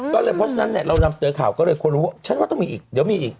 ก็เลยเพราะฉะนั้นเนี่ยเรานำเสนอข่าวก็เลยควรรู้ว่าฉันว่าต้องมีอีกเดี๋ยวมีอีก